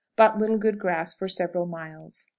But little good grass for several miles.